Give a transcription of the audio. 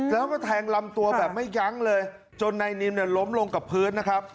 แล้วก็แทงลำตัวแบบไม่ยั้งเลยจนนายนิมเนี่ยล้มลงกับพื้นนะครับ